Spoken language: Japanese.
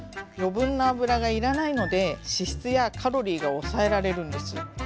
余分な油が要らないので脂質やカロリーが抑えられるんです。